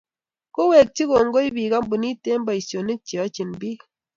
kowekchi kongoi biik kampunit eng' boisionik che yochini biik.